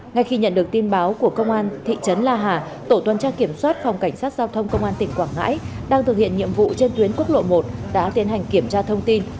ngay khi nhận được tin báo của công an thị trấn la hà tổ tuần tra kiểm soát phòng cảnh sát giao thông công an tỉnh quảng ngãi đang thực hiện nhiệm vụ trên tuyến quốc lộ một đã tiến hành kiểm tra thông tin